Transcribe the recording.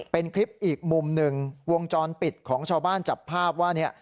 เป็นคลิปอีกมุมหนึ่งวงจรปิดของชาวบ้านจับภาพว่าเนี่ย